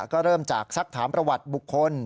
ก็เริ่มจากสักถามประวัติบุคคล